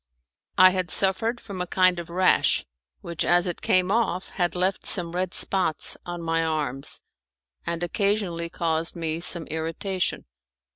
I had suffered from a kind of rash, which as it came off had left some red spots on my arms, and occasionally caused me some irritation.